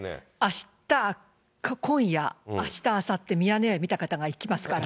あした、今夜、あしたあさって、ミヤネ屋見た方が行きますから。